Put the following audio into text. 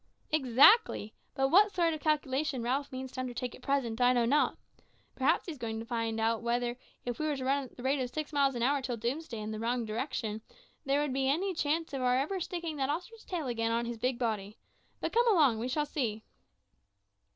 "Exactly; but what sort of calculation Ralph means to undertake at present I know not. Perhaps he's going to try to find out whether, if we were to run at the rate of six miles an hour till doomsday, in the wrong direction, there would be any chance of our ever sticking that ostrich's tail again on his big body. But come along; we shall see."